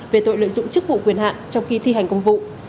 về tội lợi dụng chức vụ quyền hạn trong khi thi hành công vụ